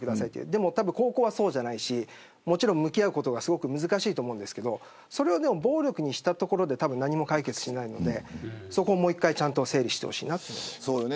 でも、高校はそうじゃないし向き合うことがすごく難しいと思うんですけどそれを暴力にしたところで何も解決しないのでそこをもう１回整理してほしいです。